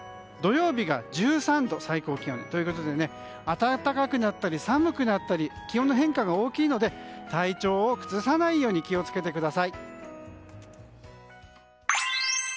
土曜日が１３度最高気温ということで暖かくなったり寒くなったり気温の変化が大きいので体調を崩さないように気を付けてください。